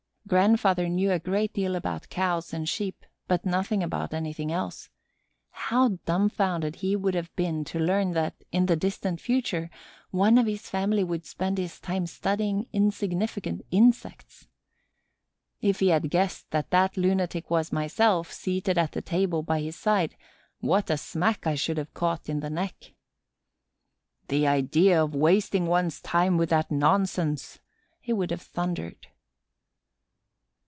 Grandfather knew a great deal about cows and sheep, but nothing about anything else. How dumfounded he would have been to learn that, in the distant future, one of his family would spend his time studying insignificant insects! If he had guessed that that lunatic was myself, seated at the table by his side, what a smack I should have caught in the neck! "The idea of wasting one's time with that nonsense!" he would have thundered.